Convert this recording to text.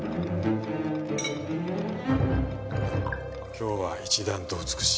今日は一段と美しいね。